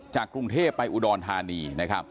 จากกรุงเทพฯไปอุดรธานี